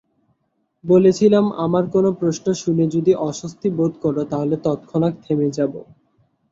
বলেছিলাম আমার কোনো প্রশ্ন শুনে যদি অস্বস্তি বোধ করো তাহলে তৎক্ষনাৎ থেমে যাবো।